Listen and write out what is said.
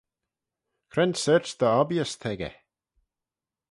Cre'n sorçh dy obbeeys t'echey?